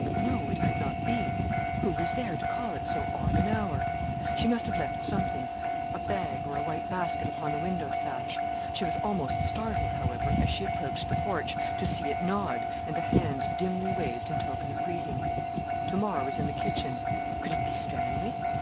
But no, it could not be; who was there to call at so odd an hour? She must have left something a bag, or a white basket upon the window sash. She was almost startled, however, as she approached the porch, to see it nod, and a hand dimly waved in token of greeting. Tamar was in the kitchen. Could it be Stanley!